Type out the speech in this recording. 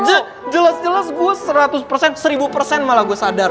je jelas jelas gue seratus persen seribu persen malah gue sadar